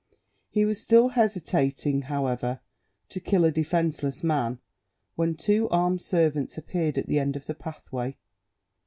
He was still hesitating, however, to kill a defenceless man, when two armed servants appeared at the end of the pathway.